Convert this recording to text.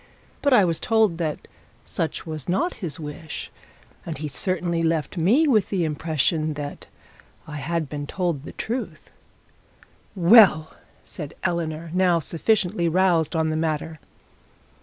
But I was told that such was not his wish; and he certainly left me with the impression that I had been told the truth.' 'Well!' said Eleanor, now sufficiently roused on the matter.